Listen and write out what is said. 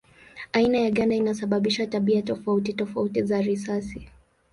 Aina ya ganda inasababisha tabia tofauti tofauti za risasi.